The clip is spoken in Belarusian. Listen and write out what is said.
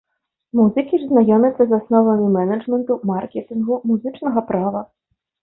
Музыкі ж знаёмяцца з асновамі менеджменту, маркетынгу, музычнага права.